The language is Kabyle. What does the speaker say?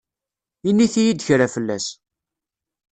Init-yi-d kra fell-as.